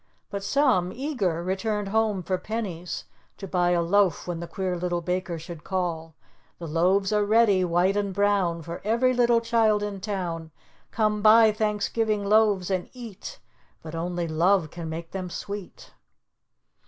But some, eager, returned home for pennies to buy a loaf when the Queer Little Baker should call. "The loaves are ready, white and brown, For every little child in town, Come buy Thanksgiving loaves and eat, But only Love can make them sweet."